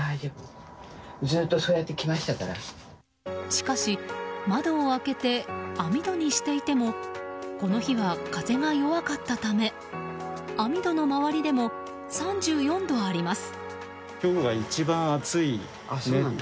しかし、窓を開けて網戸にしていてもこの日は風が弱かったため網戸の周りでも３４度あります。